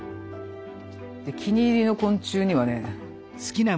気に入りの昆虫にはね。